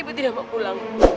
ibu tidak mau pulang